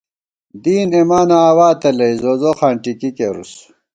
دین اېمانہ آوا تلَئ، زوزوخاں ٹِکی کېرُس